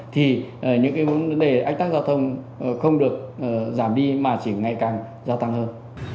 thì những cái vấn đề ách tắc giao thông không được giảm đi mà chỉ ngày càng gia tăng hơn